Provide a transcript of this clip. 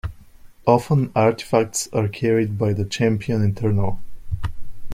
Often artifacts are carried by the Champion Eternal.